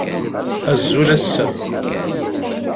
Azul a sser!